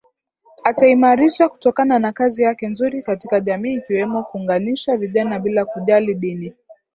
Ataimarisha kutokana na kazi yake nzuri katika jamii ikiwemo kuunganisha vijana bila kujali dini